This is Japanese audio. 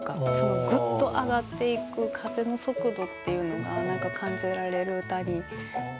グッと上がっていく風の速度っていうのが何か感じられる歌になったなって